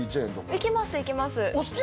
行きます行きます。